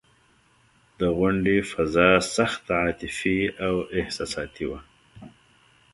د غونډې فضا سخته عاطفي او احساساتي وه.